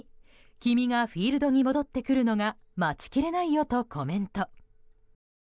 君がフィールドに戻ってくるのが待ちきれないよとコメント。